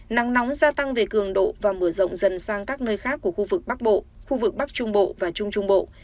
nắng nóng gia tăng về cường độ và mở rộng dần sang các nơi khác của khu vực bắc bộ khu vực bắc trung bộ và trung trung bộ